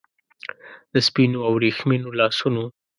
د سپینو او وریښمینو لاسونو